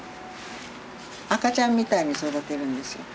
赤ちゃんみたいに育てるんですよ。